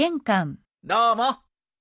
どうも。